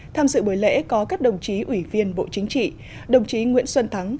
tham dự buổi lễ có các đồng chí ủy viên bộ chính trị đồng chí nguyễn xuân thắng